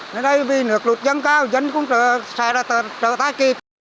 nên đây vì ngập lụt dân cao dân cũng sẽ trở lại kịp